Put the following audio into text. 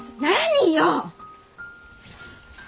何よ！